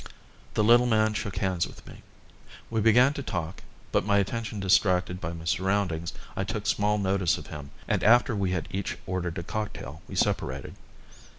The little man shook hands with me. We began to talk, but, my attention distracted by my surroundings, I took small notice of him, and after we had each ordered a cocktail we separated.